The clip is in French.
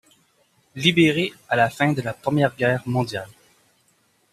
Libéré à la fin de la Première Guerre mondiale.